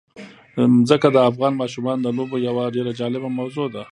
ځمکه د افغان ماشومانو د لوبو یوه ډېره جالبه موضوع ده.